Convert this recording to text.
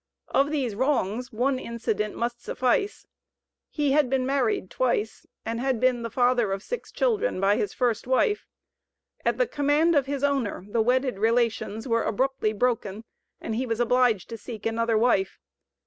Of these wrongs one incident must suffice. He had been married twice, and had been the father of six children by his first wife; at the command of his owner the wedded relations were abruptly broken, and he was obliged to seek another wife.